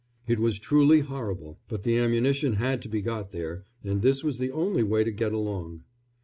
It was truly horrible, but the ammunition had to be got there, and this was the only way to get along.